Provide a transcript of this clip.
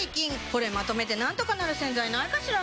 これまとめてなんとかなる洗剤ないかしら？